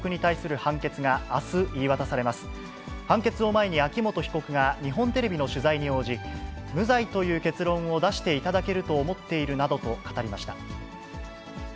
判決を前に秋元被告が日本テレビの取材に応じ、無罪という結論を出していただけると思っているなどと語りました。